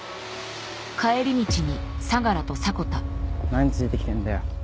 何ついてきてんだよ。